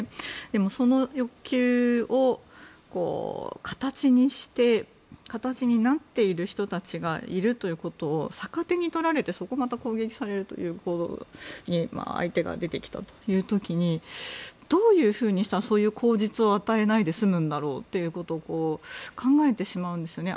でも、その欲求を形にして形になっている人たちがいるということを逆手に取られてそこをまた攻撃されるという行動に相手が出てきたという時にどういうふうにしたらそういう口実を与えないで済むんだろうということを考えてしまうんですよね。